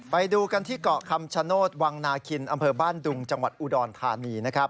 ไปดูกันที่เกาะคำชโนธวังนาคินอำเภอบ้านดุงจังหวัดอุดรธานีนะครับ